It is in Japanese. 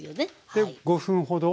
で５分ほど。